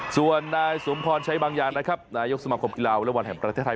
ส่วนนายสมพรใช้บางอย่างนะครับนายกสมาคมกีฬาวอเล็กบอลแห่งประเทศไทย